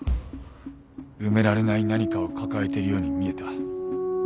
埋められない何かを抱えているように見えた。